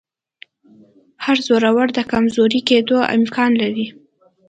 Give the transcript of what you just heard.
هر زورور د کمزوري کېدو امکان لري